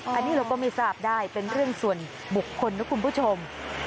อันนี้เราก็ไม่ทราบได้เป็นเรื่องส่วนบุคคลนะคุณผู้ชม